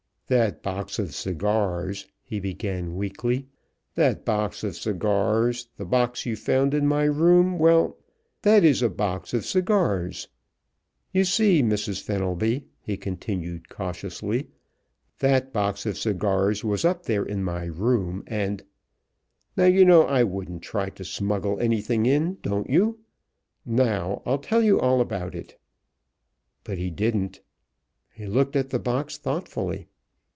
"That box of cigars " he began weakly. "That box of cigars, the box you found in my room, well, that is a box of cigars. You see, Mrs. Fenelby," he continued, cautiously, "that box of cigars was up there in my room, and Now, you know I wouldn't try to smuggle anything in, don't you? Now, I'll tell you all about it." But he didn't. He looked at the box thoughtfully.